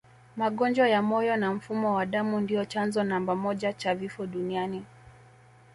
Magonjwa ya moyo na mfumo wa damu ndio chanzo namba moja cha vifo duniani